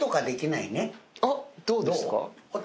あっどうですか？